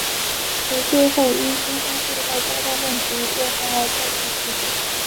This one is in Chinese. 回归后因松山隧道交通问题恶化而再次提出。